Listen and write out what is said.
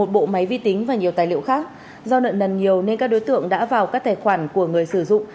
một bộ máy vi tính và nhiều tài liệu khác do nợ nần nhiều nên các đối tượng đã vào các tài khoản của người sử dụng